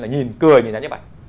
là nhìn cười người ta như vậy